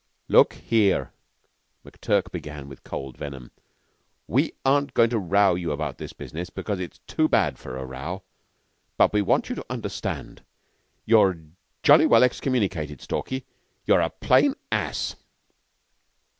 "Look here," McTurk began with cold venom, "we aren't goin' to row you about this business, because it's too bad for a row; but we want you to understand you're jolly well excommunicated, Stalky. You're a plain ass."